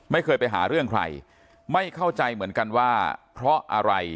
ไม่เคยไปหาเรื่องใครไม่เข้าใจเหมือนกันว่าเพราะอะไร